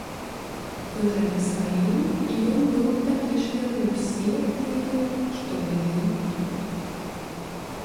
Выглядам сваім ён быў такі ж як і ўсе тыя, што былі тут.